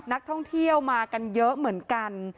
นักท่องเที่ยวมากันเยอะเหมือนกัน